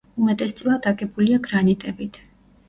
უმეტესწილად აგებულია გრანიტებით.